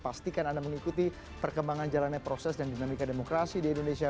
pastikan anda mengikuti perkembangan jalannya proses dan dinamika demokrasi di indonesia